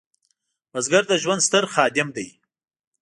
بزګر د ژوند ستر خادم دی